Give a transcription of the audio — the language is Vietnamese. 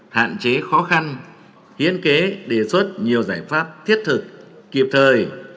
hạn chế khó khăn hiến kế đề xuất nhiều giải pháp thiết thực kịp thời